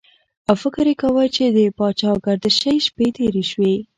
او فکر یې کاوه چې د پاچاګردشۍ شپې تېرې شوې.